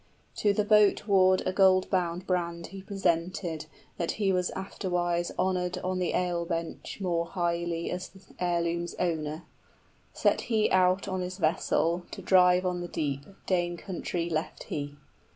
} To the boat ward a gold bound brand he presented, That he was afterwards honored on the ale bench more highly As the heirloom's owner. Set he out on his vessel, 15 To drive on the deep, Dane country left he.